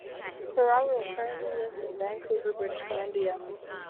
Ferraro currently lives in Vancouver, British Columbia.